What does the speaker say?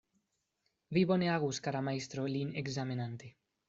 Vi bone agus, kara majstro, lin ekzamenante.